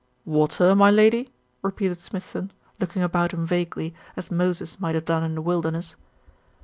"Water, my Lady?" repeated Smithson, looking about him vaguely, as Moses might have done in the wilderness.